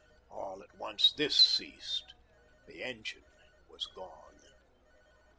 All at once this ceased. The engine was gone.